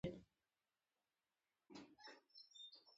دغلغلې تاريخي ښار په باميانو کې موقعيت لري